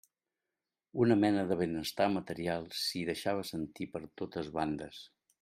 Una mena de benestar material s'hi deixava sentir per totes bandes.